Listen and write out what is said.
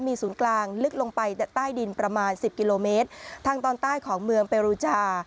มีศูนย์กลางลึกลงไปใต้ดินประมาณสิบกิโลเมตรทางตอนใต้ของเมืองเปรูชา